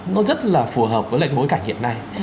nó rất là phù hợp với lại bối cảnh hiện nay